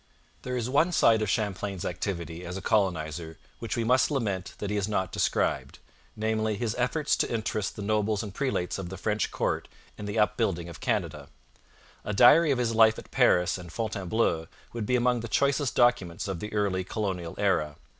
There is one side of Champlain's activity as a colonizer which we must lament that he has not described namely, his efforts to interest the nobles and prelates of the French court in the upbuilding of Canada. A diary of his life at Paris and Fontainebleau would be among the choicest documents of the early colonial era.